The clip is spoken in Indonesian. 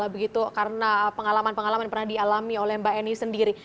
begitu karena pengalaman pengalaman pernah dialami oleh mbak eni sendiri